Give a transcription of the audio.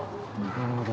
なるほど。